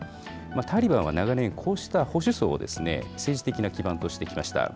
タリバンは長年、こうした保守層を政治的な基盤としてきました。